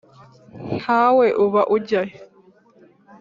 nka we uba ujya he